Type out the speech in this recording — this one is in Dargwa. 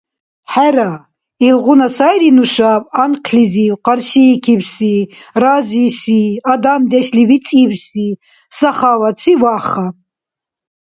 Хӏера, илгъуна сайри нушаб анхълизив къаршиикибси разиси, адамдешли вицӏибси, сахаватси Ваха.